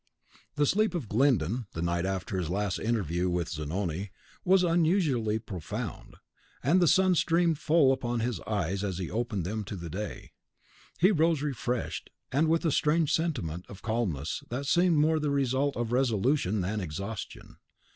The sleep of Glyndon, the night after his last interview with Zanoni, was unusually profound; and the sun streamed full upon his eyes as he opened them to the day. He rose refreshed, and with a strange sentiment of calmness that seemed more the result of resolution than exhaustion.